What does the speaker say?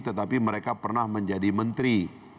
tetapi mereka pernah menjadi menteri